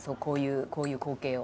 こういう光景を。